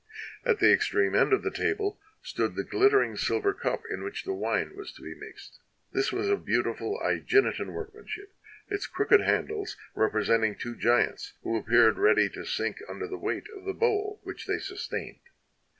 At the extreme end of the table stood the ghttering silver cup in which the wine was to be mixed. This was of beautiful ^Eginetan workmanship, its crooked handles representing two giants, who appeared ready to sink un der the weight of the bowl which they sustained.